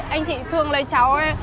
anh chị thương lấy cháu em